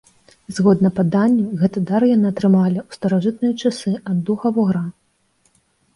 Згодна паданню, гэты дар яны атрымалі ў старажытныя часы ад духа-вугра.